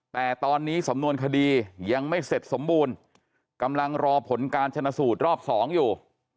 แต่ตอนนี้สำนวนคดียังไม่เสร็จสมบูรณ์กำลังรอผลการชนะสูตรรอบสองอยู่